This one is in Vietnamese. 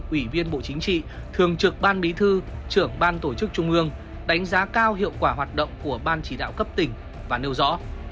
ủy viên bộ chính trị thường trực ban bí thư trưởng ban tổ chức trung ương đánh giá cao hiệu quả hoạt động của ban chỉ đạo cấp tỉnh và nêu rõ